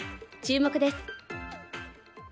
注目です。